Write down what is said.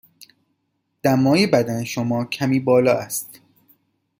دمای بدن شما کمی بالا است.